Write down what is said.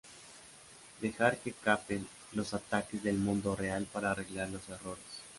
dejar que capee los ataques del mundo real para arreglar los errores